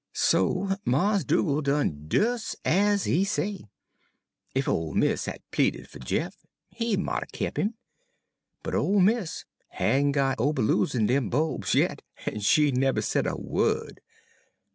"So Mars' Dugal' done des ez he say. Ef ole mis' had ple'd fer Jeff, he mought 'a' kep' 'im. But ole mis' had n' got ober losin' dem bulbs yit, en she neber said a wo'd.